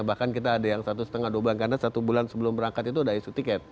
bahkan kita ada yang satu setengah dua bulan karena satu bulan sebelum berangkat itu ada isu tiket